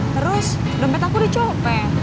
terus dompet aku dicopet